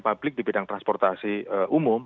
publik di bidang transportasi umum